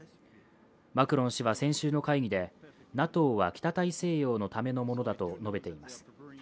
マクロン氏は先週の会議でＮＡＴＯは北大西洋のためのものだと述べています。